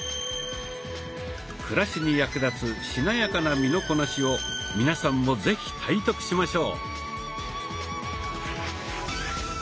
暮らしに役立つしなやかな身のこなしを皆さんも是非体得しましょう。